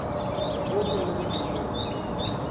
وہ کہن لگو ٹھیک ہے